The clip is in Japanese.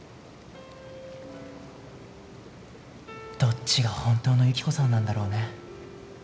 どっちが本当の由希子さんなんだろうね？